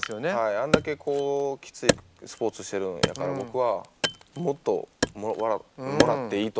あんだけこうきついスポーツしてるんやから僕はもっともらっていいと思ってるんでこうね